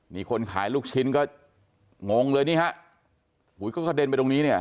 นี่คนขายลูกชิ้นก็งงเลยนี่ฮะอุ้ยก็กระเด็นไปตรงนี้เนี่ย